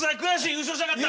優勝したかった。